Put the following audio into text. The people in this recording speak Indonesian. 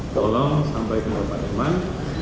tolong sampaikan kepada pak irman